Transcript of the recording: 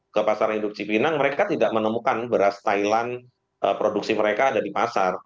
ke pasar hidup cipinang mereka tidak menemukan beras thailand produksi mereka ada di pasar